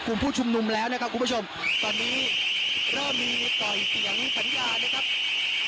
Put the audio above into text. กลุ่มผู้ชุมนุมแล้วนะครับคุณผู้ชมตอนนี้เริ่มมีต่อยเสียงสัญญานะครับ